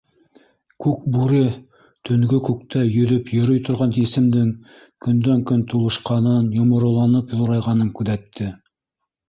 Күкбүре төнгө күктә йөҙөп йөрөй торған есемдең көндән- көн тулышҡанын, йомороланып ҙурайғанын күҙәтте.